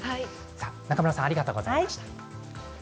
中村さんありがとうございました。